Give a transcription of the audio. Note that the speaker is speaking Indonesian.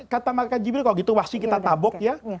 kata maka jibril kalau begitu wahsy kita tabok ya